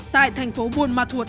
tại thành phố buôn ma thuột